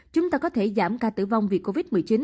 chúng ta có thể giảm ca tử vong vì covid một mươi chín